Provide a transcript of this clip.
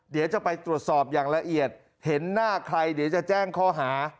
เดี๋ยวจะไปตรวจสอบอย่างละเอียดเห็นหน้าใครเดี๋ยวจะแจ้งข้อหา